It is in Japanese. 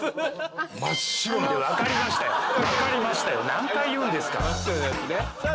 何回言うんですか？